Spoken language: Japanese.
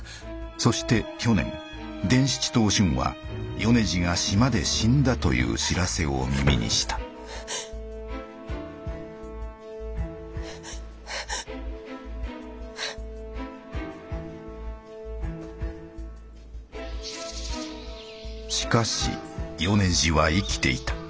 そして去年伝七とお俊は米次が島で死んだという知らせを耳にしたしかし米次は生きていた。